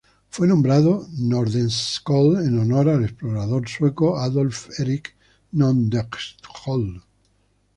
Fue nombrado Nordenskiöld en honor al explorador sueco Adolf Erik Nordenskjöld.